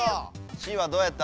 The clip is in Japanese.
Ｃはどうやった？